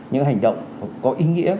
những hành động có ý nghĩa